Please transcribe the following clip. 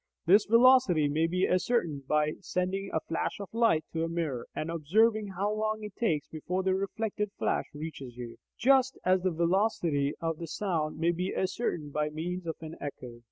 This velocity may be ascertained by sending a flash of light to a mirror, and observing how long it takes before the reflected flash reaches you, just as the velocity of sound may be ascertained by means of an echo.